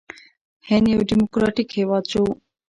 هند یو ډیموکراټیک هیواد شو.